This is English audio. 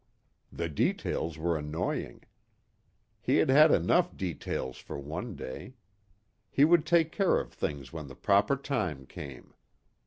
The details were annoying. He had had enough details for one day. He would take care of things when the proper time came.